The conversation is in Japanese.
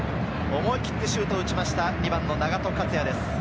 思い切ってシュートを打ちました、２番・永戸勝也です。